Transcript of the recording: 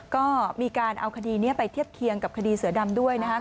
ก็มีการเอาคดีนี้ไปเทียบเคียงกับคดีเสือดำด้วยนะครับ